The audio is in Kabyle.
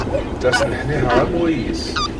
La sneḥniḥeɣ am wayis.